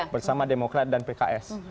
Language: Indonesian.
bersama demokrat dan pks